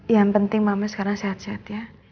yang penting mama sekarang sehat sehat ya